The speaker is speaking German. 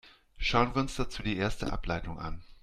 Schauen wir uns dazu die erste Ableitung an.